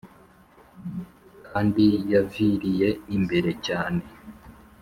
kand yaviriye imberecyane